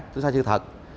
tin sai sự thật